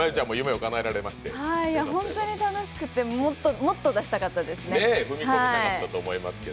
本当に楽しくてもっと出したかったですね。